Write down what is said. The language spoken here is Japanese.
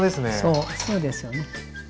そうそうですよね。